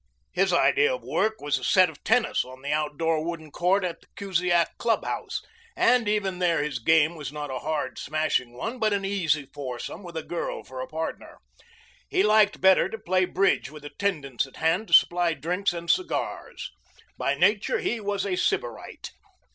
His idea of work was a set of tennis on the outdoor wooden court of the Kusiak clubhouse, and even there his game was not a hard, smashing one, but an easy foursome with a girl for partner. He liked better to play bridge with attendants at hand to supply drinks and cigars. By nature he was a sybarite.